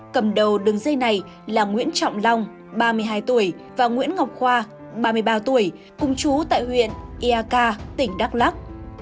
cầm đầu đường dây này là nguyễn trọng long ba mươi hai tuổi và nguyễn ngọc khoa ba mươi ba tuổi cùng chú tại huyện iaka tỉnh đắk lắc